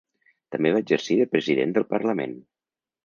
També va exercir de president del Parlament.